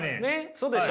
そうでしょ？